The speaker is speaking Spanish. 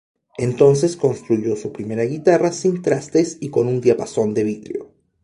Entonces construyó su primera guitarra sin trastes y con un diapasón de vidrio.